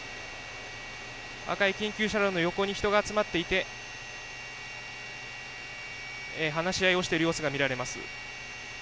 赤い緊急車両の横に人が集まっていて話し合いをしている様子が見られます。